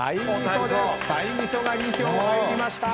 鯛味噌が２票入りました！